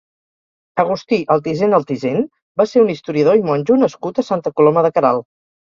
Agustí Altisent Altisent va ser un historiador i monjo nascut a Santa Coloma de Queralt.